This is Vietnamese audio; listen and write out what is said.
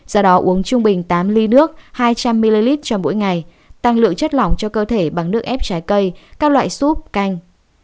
do đó uống trung bình tám ly nước hai trăm linh ml cho mỗi ngày tăng lượng chất lỏng cho cơ thể bằng nước ép trái cây các loại súp canh